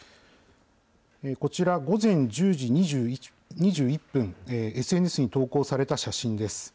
こちら午前１０時２１分、ＳＮＳに投稿された写真です。